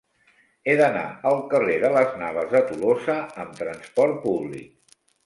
He d'anar al carrer de Las Navas de Tolosa amb trasport públic.